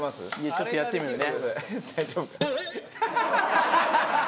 ちょっとやってみるね。